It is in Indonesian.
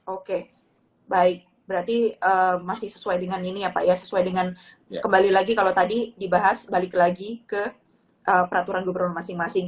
oke baik berarti masih sesuai dengan ini ya pak ya sesuai dengan kembali lagi kalau tadi dibahas balik lagi ke peraturan gubernur masing masing